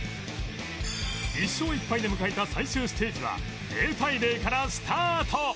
１勝１敗で迎えた最終ステージは０対０からスタート